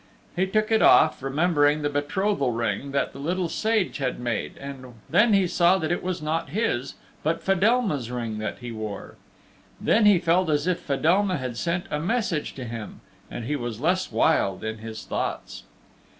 He took it off, remembering the betrothal ring that the Little Sage had made, and then he saw that it was not his, but Fedelma's ring that he wore. Then he felt as if Fedelma had sent a message to him, and he was less wild in his thoughts.